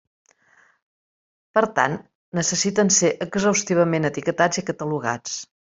Per tant, necessiten ser exhaustivament etiquetats i catalogats.